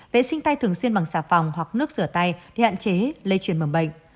vệ sinh tay thường xuyên bằng xà phòng hoặc nước sửa tay để hạn chế lây truyền mầm bệnh